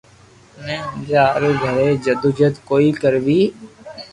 ني ھمجيا ھارون گڙي جدو جھد ڪوئي ڪروي